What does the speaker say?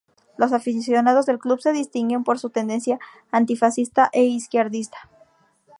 Los aficionados del club se distinguen por su tendencia antifascista e izquierdista.